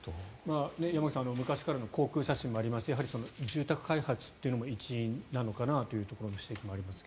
山口さん昔からの航空写真もありましてやはり住宅開発というのも一因なのかなという指摘もありますが。